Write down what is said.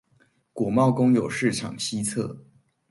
果貿公有市場西側